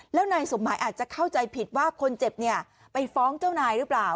แล้วนายสมหมายอาจจะเข้าใจผิดว่าคนเจ็บเนี่ยไปฟ้องเจ้านายหรือเปล่า